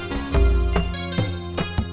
terima kasih bu bapak